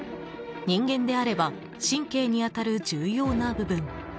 人間であれば神経に当たる重要な部分。